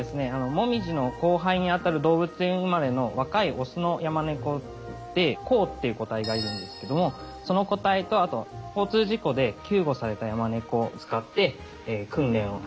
もみじの後輩にあたる動物園生まれの若いオスのヤマネコで「こう」っていう個体がいるんですけどもその個体と交通事故で救護されたヤマネコを使って訓練を行っています。